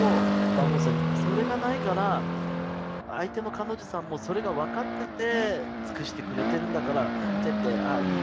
マンゴーさんにそれがないから相手の彼女さんもそれが分かってて尽くしてくれてるんだから見ててああいいなって。